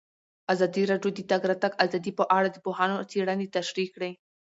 ازادي راډیو د د تګ راتګ ازادي په اړه د پوهانو څېړنې تشریح کړې.